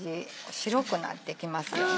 白くなってきますよね。